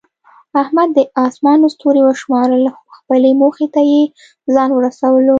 احمد د اسمان ستوري وشمارل، خو خپلې موخې ته یې ځان ورسولو.